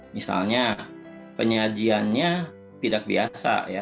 misalnya penyajiannya tidak biasa ya